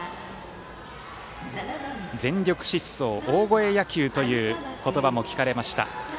全力疾走、大声野球という言葉も聞かれました。